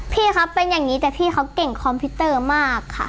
พี่ครับเป็นอย่างนี้แต่พี่เขาเก่งคอมพิวเตอร์มากค่ะ